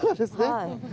はい。